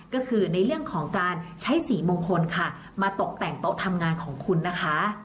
ก็คือในเรื่องของการใช้สีมงคลค่ะมาตกแต่งโต๊ะทำงานของคุณนะคะ